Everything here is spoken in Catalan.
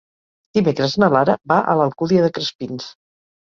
Dimecres na Lara va a l'Alcúdia de Crespins.